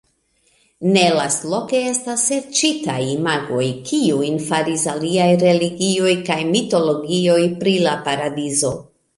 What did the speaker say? Ne lastloke estas serĉitaj imagoj, kiujn faris aliaj religioj kaj mitologioj pri la paradizo.